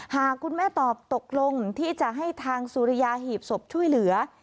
หากคุณแม่ตอบตกลงที่จะให้ทางสุริยาหีบศพช่วยเหลือ